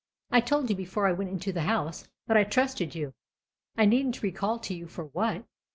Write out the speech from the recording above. I told you before I went into the house that I trusted you I needn't recall to you for what.